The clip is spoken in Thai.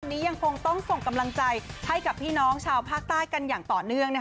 ยังคงต้องส่งกำลังใจให้กับพี่น้องชาวภาคใต้กันอย่างต่อเนื่อง